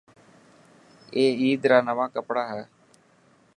اي عيد را نوان ڪپڙا هي.